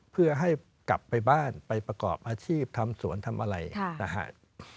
เพื่อให้กลับไปบ้านไปประกอบอาชีพทำสวนทำอะไรนะฮะ